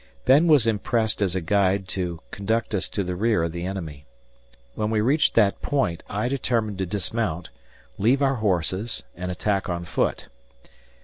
Ben was impressed as a guide to conduct us to the rear of the enemy. When we reached that point, I determined to dismount, leave our horses, and attack on foot.